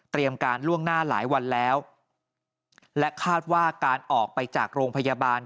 การล่วงหน้าหลายวันแล้วและคาดว่าการออกไปจากโรงพยาบาล